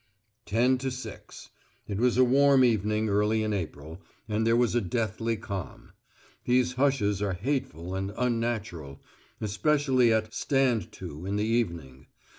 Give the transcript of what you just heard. Ten to six. It was a warm evening early in April, and there was a deathly calm. These hushes are hateful and unnatural, especially at "stand to" in the evening.